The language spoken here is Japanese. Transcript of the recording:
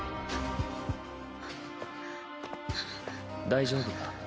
大丈夫か？